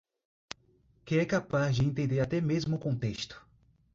Que é capaz de entender até mesmo o contexto.